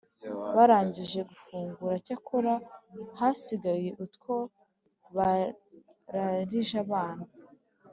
barangije gufungura, cyakora hasigaye utwo bararije abana.